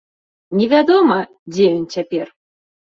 Невядома, дзе ён цяпер.